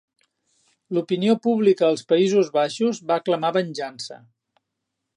L'opinió pública als Països Baixos va clamar venjança.